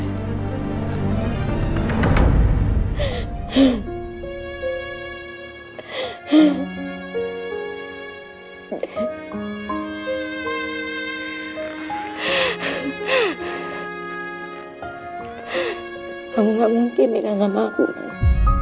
kamu gak mungkin megang sama aku mas